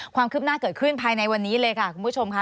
ความคืบหน้าเกิดขึ้นภายในวันนี้เลยค่ะคุณผู้ชมค่ะ